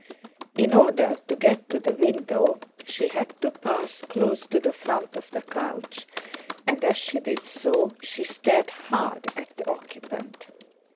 In order to get to the window she had to pass close to the front of the couch, and as she did so she stared hard at the occupant.